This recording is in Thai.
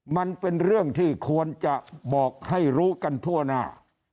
มันเป็นเรื่องที่ควรจะบอกให้รู้กันทั่วหน้า